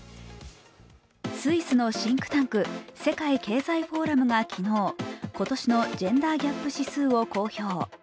スイスのシンクタンク、世界経済フォーラムが昨日、今年のジェンダーギャップ指数を公表。